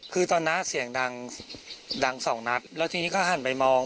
คือตอนนั้นเสียงดังดังสองนัดแล้วทีนี้ก็หันไปมอง